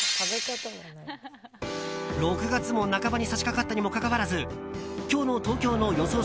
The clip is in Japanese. ６月も半ばに差し掛かったにもかかわらず今日の東京の予想